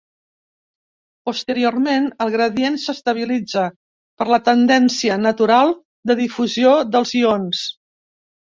Posteriorment el gradient s'estabilitza per la tendència natural de difusió dels ions.